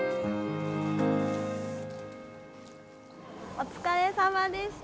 おつかれさまでした！